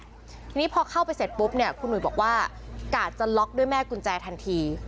ทีนี้พอเข้าไปเสร็จปุ๊บเนี่ยคุณหนุ่ยบอกว่ากาดจะล็อกด้วยแม่กุญแจทันที